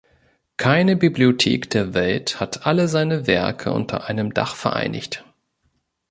Keine Bibliothek der Welt hat alle seine Werke unter einem Dach vereinigt.